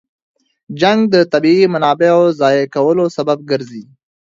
جنګ د طبیعي منابعو ضایع کولو سبب ګرځي.